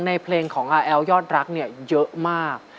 ในเพลงของอาแอลยอดรักเนี่ยเยอะมาก